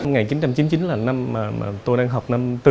ngày chín trăm chín mươi chín là năm mà tôi đang học